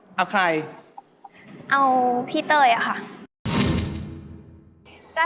กลับไปก่อนเลยนะครับ